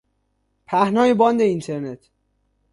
پهنای باند اینترنت